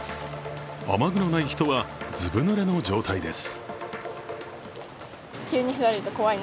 雨具のない人はずぶぬれの状態です。